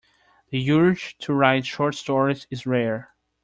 The urge to write short stories is rare.